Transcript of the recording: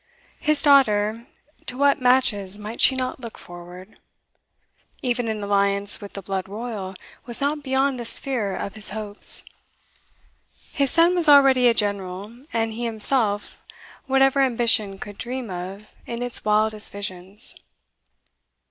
His daughter to what matches might she not look forward? Even an alliance with the blood royal was not beyond the sphere of his hopes. His son was already a general and he himself whatever ambition could dream of in its wildest visions.